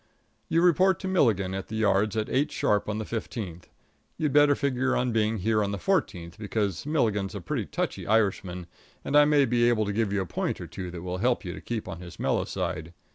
You report to Milligan at the yards at eight sharp on the fifteenth. You'd better figure on being here on the fourteenth, because Milligan's a pretty touchy Irishman, and I may be able to give you a point or two that will help you to keep on his mellow side.